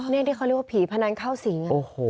นี่ที่เขาเรียกว่าผีพนันเข้าสิง